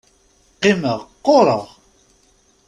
Qqimeɣ, qqureɣ.